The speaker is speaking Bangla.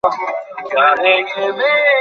তা থেকে ফকীর মিসকীনদের কিছুই দেয় না।